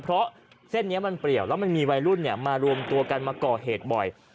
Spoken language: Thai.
เพราะเส้นนี้มันเปรียวแล้วมันมีวัยรุ่นมารวมตัวกันมาก่อเหตุบ่อย